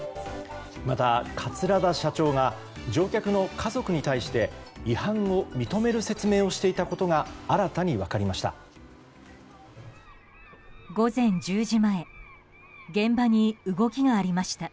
また、桂田社長が乗客の家族に対して違反を認める説明をしていたことが新たに分かりました。